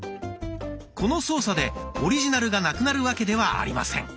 この操作でオリジナルがなくなるわけではありません。